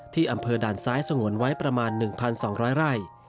อำเภอด่านซ้ายสงวนไว้ประมาณ๑๒๐๐ไร่